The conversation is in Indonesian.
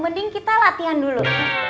mending kita latihan dulu